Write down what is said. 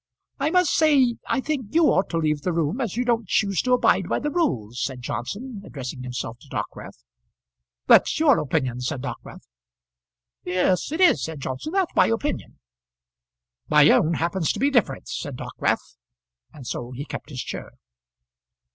"I must say I think you ought to leave the room as you don't choose to abide by the rules," said Johnson, addressing himself to Dockwrath. "That's your opinion," said Dockwrath. "Yes, it is," said Johnson. "That's my opinion." "My own happens to be different," said Dockwrath; and so he kept his chair.